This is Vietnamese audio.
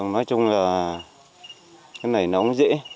nói chung là cái này nó cũng dễ